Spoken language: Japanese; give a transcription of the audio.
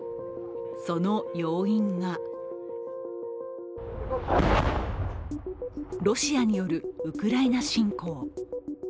その要因がロシアによるウクライナ侵攻。